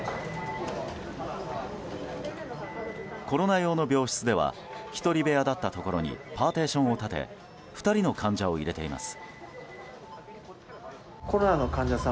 コロナ用の病室では１人部屋だったところにパーティションを立て２人の患者を入れています。